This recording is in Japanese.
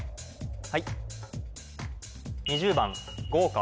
はい